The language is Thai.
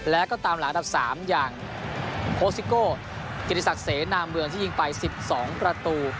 แล้วก็ตามหลังอันดับ๓อย่างโคสิโก้กิติศักดิ์เสนาเมืองที่ยิงไป๑๒ประตู